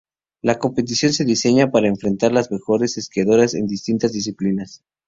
La competición se diseña para enfrentar a los mejores esquiadores en distintas disciplinas.